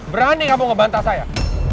berani kamu ngebantah saya